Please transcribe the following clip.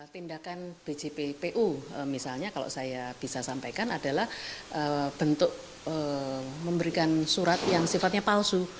tindakan bjppu misalnya kalau saya bisa sampaikan adalah bentuk memberikan surat yang sifatnya palsu